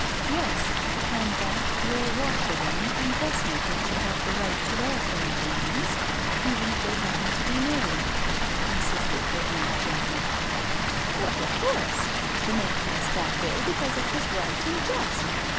" Yes, and that your washerwoman and dressmaker should have the right to their own earnings, even if they happen to be married," insisted her aunt gently. "Well, of course I The men passed that Bill because it was right and just.